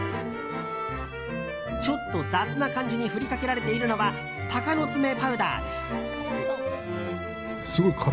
ちょっと雑な感じに振りかけられているのは鷹の爪パウダーです。